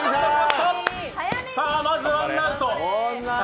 まずワンアウト。